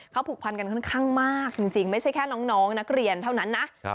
เขาผูกพันกันค่อนข้างมากจริงไม่ใช่แค่น้องนักเรียนเท่านั้นนะ